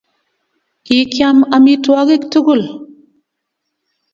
kikiam amitwogik tugul